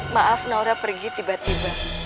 maaf naura pergi tiba tiba